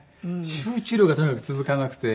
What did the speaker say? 集中力がとにかく続かなくて。